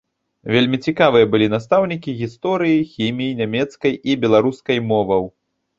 Вельмі цікавыя былі настаўнікі гісторыі, хіміі, нямецкай і беларускай моваў.